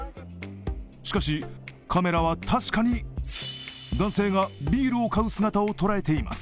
しかし、カメラは確かに男性がビールを買う姿をとらえています。